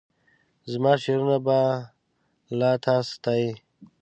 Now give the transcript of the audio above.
زماشعرونه به لا تا ستایي